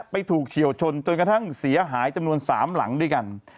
ถูกเฉียวชนจนกระทั่งเสียหายจำนวน๓หลังด้วยกัน